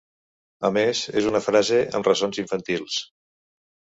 A més, és una frase amb ressons infantils.